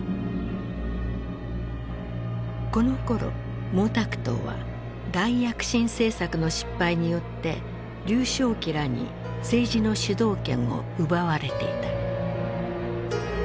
このころ毛沢東は大躍進政策の失敗によって劉少奇らに政治の主導権を奪われていた。